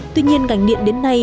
tuy nhiên ngành điện đến nay